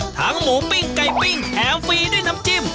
หมูปิ้งไก่ปิ้งแถมฟรีด้วยน้ำจิ้ม